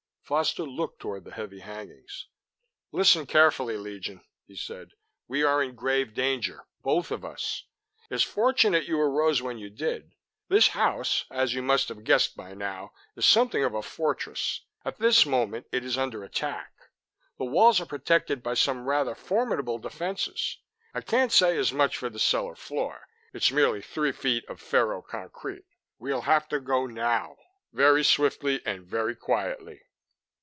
Foster looked toward the heavy hangings. "Listen carefully, Legion," he said. "We are in grave danger both of us. It's fortunate you arose when you did. This house, as you must have guessed by now, is something of a fortress. At this moment, it is under attack. The walls are protected by some rather formidable defenses. I can't say as much for the cellar floor; it's merely three feet of ferro concrete. We'll have to go now very swiftly, and very quietly."